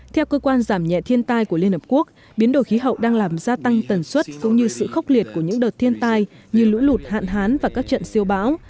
theo cơ quan giảm nhẹ thiên tai của liên hợp quốc biến đổi khí hậu đang làm gia tăng tần suất cũng như sự khốc liệt của những đợt thiên tai như lũ lụt hạn hán và các trận siêu bão